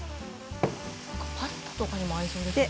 パスタとかにも合いそうですね。